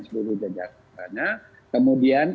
sebuah hujan kemudian